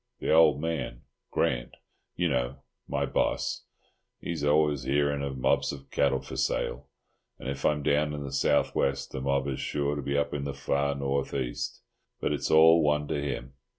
The old man—Grant, you know—my boss—he's always hearing of mobs of cattle for sale, and if I'm down in the south west the mob is sure to be up in the far north east, but it's all one to him.